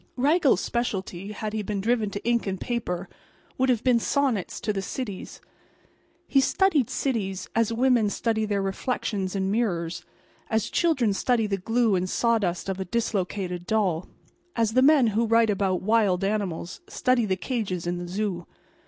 Raggles's specialty, had he been driven to ink and paper, would have been sonnets to the cities. He studied cities as women study their reflections in mirrors; as children study the glue and sawdust of a dislocated doll; as the men who write about wild animals study the cages in the zoo.